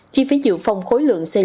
chi phí dự phòng khối lượng xây dựng